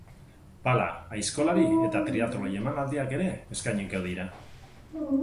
Pala, aizkolari eta triatloi emanaldiak ere eskainiko dira.